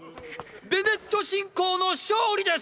ベネット信仰の勝利です！！